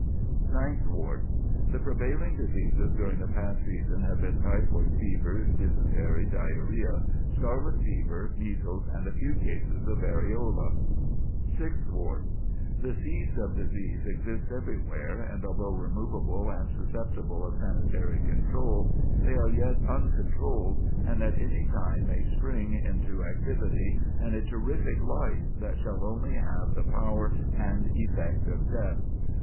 Ninth Ward: The prevailing diseases during the past season have been typhoid fever, dysentery, diarrhoea, scarlet fever, measles, and a few cases of variola. [Sidenote: Seeds of Disease Uncontrolled] Sixth Ward: The seeds of disease exist everywhere, and although removable and susceptible of sanitary control, they are yet uncontrolled, and at any time may spring into activity and a terrific life, that shall only have the power and effect of death.